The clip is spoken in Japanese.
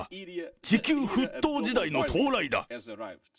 地球沸騰時代の到来だ。